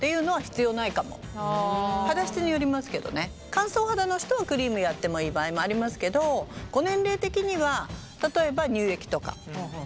乾燥肌の人はクリームやってもいい場合もありますけどご年齢的には例えば乳液とかジェルとか。